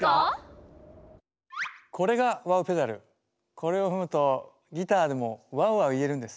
これを踏むとギターでも「ワウワウ」言えるんです。